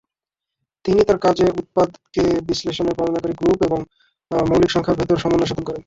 তিনি তার কাজে উৎপাদকে বিশ্লেষণ বর্ণনাকারী গ্রুপ এবং মৌলিক সংখ্যার ভেতর সমন্বয় সাধন করেন।